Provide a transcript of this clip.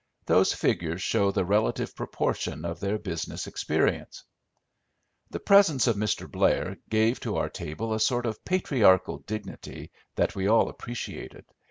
Those figures show the relative proportion of their business experience. The presence of Mr. Blair gave to our table a sort of patriarchal dignity that we all appreciated.